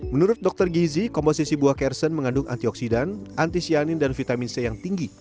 menurut dokter gizi komposisi buah kersen mengandung antioksidan antisianin dan vitamin c yang tinggi